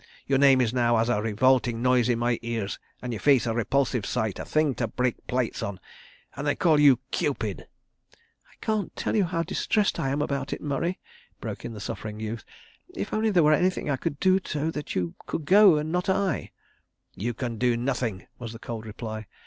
... Your name is now as a revolting noise in my ears, and your face a repulsive sight, a thing to break plates on ... and they 'call you Cupid'!" "I can't tell you how distressed I am about it, Murray," broke in the suffering youth. "If only there were anything I could do so that you could go, and not I—" "You can do nothing," was the cold reply.